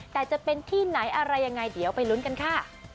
แต่จะเป็นที่ไหนอะไรยังไงเดี๋ยวไปลุ้นกันค่ะ